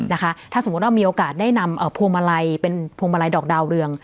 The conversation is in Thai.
นะคะถ้าสมมุติว่ามีโอกาสได้นำพวงมาลัยเป็นพวงมาลัยดอกดาวเรือง